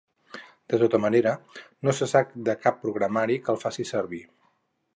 De tota manera, no se sap de cap programari que el faci servir.